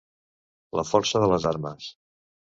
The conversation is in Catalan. La força de les armes.